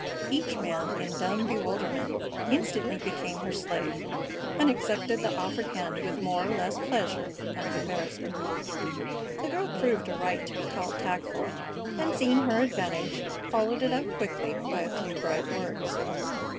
Each man in dumb bewilderment instantly became her slave, and accepted the offered hand with more or less pleasure and embarrassment. The girl proved her right to be called tactful, and, seeing her advantage, followed it up quickly by a few bright words.